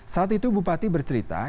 saat itu bupati bercerita